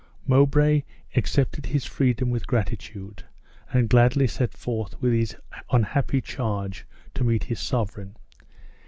Mowbray accepted his freedom with gratitude, and gladly set forth with his unhappy charge to meet his sovereign.